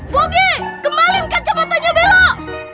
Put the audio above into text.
bogy kembali kacamatanya bela